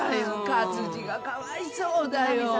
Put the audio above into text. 勝二がかわいそうだよ。